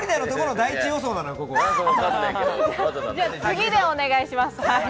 次でお願いします。